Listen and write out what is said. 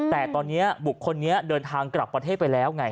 แต่ตอนนี้บุคคลนี้เดินทางกลับประเทศไปแล้วไง